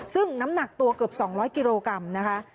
ซึ่งน้ำหนักตัวเกือบ๒๐๐กิโลกรัมนะคะ